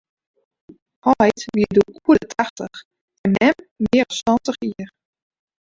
Heit wie doe oer de tachtich en mem mear as santich jier.